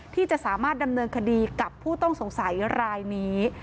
ที่จะสามารถดำเนินคดีกับผู้ต้องสงสัยรายนี้